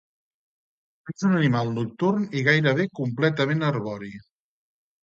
És un animal nocturn i gairebé completament arbori.